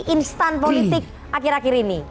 instan politik akhir akhir ini